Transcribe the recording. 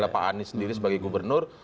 pak anies sendiri sebagai gubernur